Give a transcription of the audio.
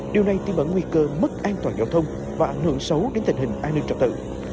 điều này tiêm bẩn nguy cơ mất an toàn giao thông và ảnh hưởng xấu đến tình hình an ninh trật tự